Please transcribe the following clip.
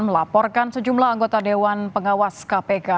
melaporkan sejumlah anggota dewan pengawas kpk